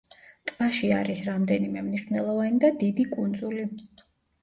ტბაში არის რამდენიმე მნიშვნელოვანი და დიდი კუნძული.